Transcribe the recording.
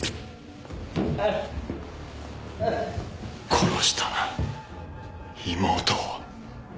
殺したな妹を。